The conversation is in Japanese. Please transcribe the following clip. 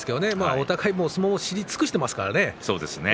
お互いに相撲を知り尽くしていますからね。